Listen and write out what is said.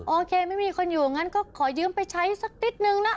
โอเคไม่มีคนอยู่อย่างนั้นก็ขอยืมไปใช้สักนิดนึงนะ